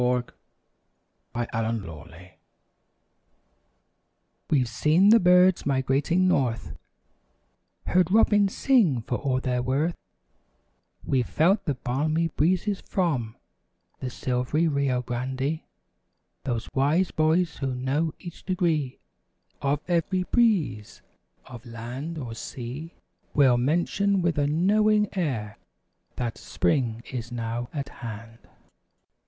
THE SIGN OF SPRING We've seen the birds migrating north ; Heard robins sing for all they're worth; We've felt the balmy breezes from The "Silv'ry Rio Grande." Those wise boys who know each degree Of every breeze of land or sea, Will mention with a knowing air. That, "Spring is now at hand."